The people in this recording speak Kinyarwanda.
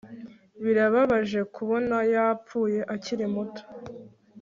birababaje kubona yapfuye akiri muto